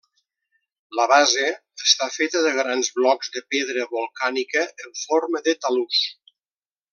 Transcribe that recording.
La base està feta de grans blocs de pedra volcànica en forma de talús.